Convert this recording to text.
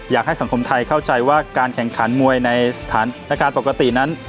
อยากให้สังคมไทยเข้าใจว่าการแข่งขันมวยในสถานการณ์ปกตินั้น